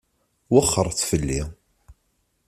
Wexxṛet fell-i.